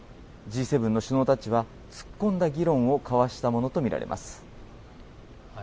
Ｇ７の首脳たちは、突っ込んだ議論を交わしたものと見られます。